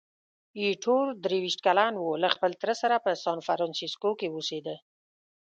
ایټور درویشت کلن وو، له خپل تره سره په سانفرانسیسکو کې اوسېده.